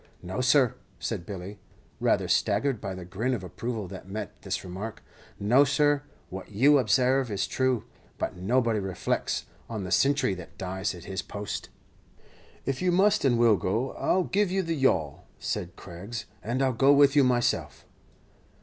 "No, sir," said Billy, rather staggered by the grin of approval that met this remark "no, sir, what you ob sarve is true; but nobody reflects on the sintry that dies at his post." "If you must and will go, I'll give you the yawl," said Craggs; "and I 'll go with you myself."